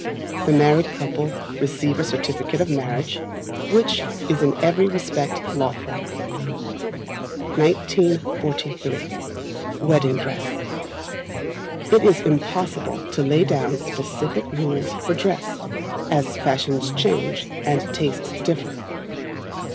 The married couple receive a certificate of marriage, which is in every respect lawful. [ONE TO DAY IS WORTH TWO TO MORROW.] 1943. Wedding Dress. It is impossible to lay down specific rules for dress, as fashions change, and tastes differ.